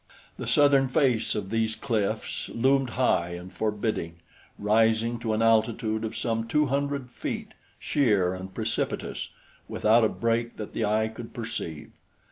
The southern face of these cliffs loomed high and forbidding, rising to an altitude of some two hundred feet, sheer and precipitous, without a break that the eye could perceive.